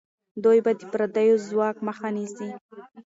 دوی به د پردیو ځواک مخه نیسي.